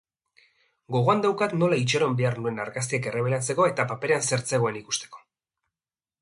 Gogoan daukat nola itxaron behar nuen argazkiak errebelatzeko eta paperean zer zegoen ikusteko.